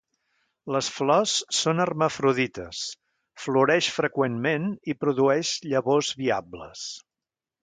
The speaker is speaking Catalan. Les flors són hermafrodites; floreix freqüentment i produeix llavors viables.